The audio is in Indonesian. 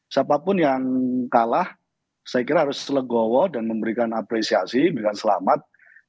siapapun yang kalah saya kira harus legowo dan memberikan apresiasi dengan selamat